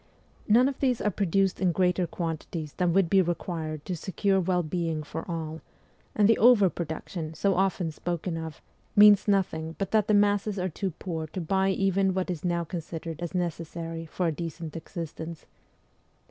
None of these are produced in greater quantities than would be required to secure well being for all ; and the over production, so often spoken of, means nothing but that the masses are too poor to buy even what is now considered as necessary for a decent existence.